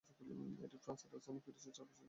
এটি ফ্রান্সের রাজধানী প্যারিসের চারপাশ ঘিরে অবস্থিত।